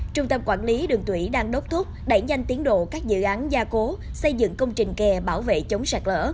trung tâm quản lý đường thủy đang đốt thuốc đẩy nhanh tiến độ các dự án gia cố xây dựng công trình kè bảo vệ chống sạt lở